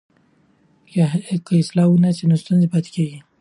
که اصلاح ونه سي ستونزې پاتې کېږي.